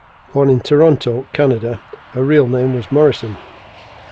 Born in Toronto, Canada, her real name was Morrison.